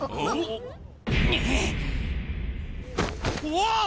うわ！